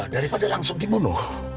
daripada langsung dibunuh